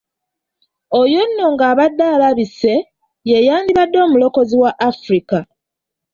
Oyo nno ng'abadde alabise, ye yandibadde omulokozi wa Africa.